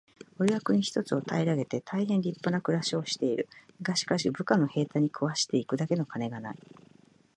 「おれは国一つを平げて大へん立派な暮しをしている。がしかし、部下の兵隊に食わして行くだけの金がない。」